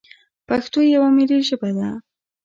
پښتو یوه ملي ژبه ده.